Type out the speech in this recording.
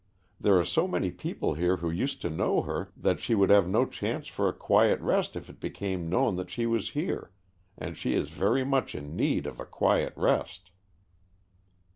There are so many people here who used to know her that she would have no chance for a quiet rest if it became known that she was here, and she is very much in need of a quiet rest."